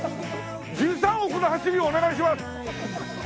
１３億の走りをお願いします！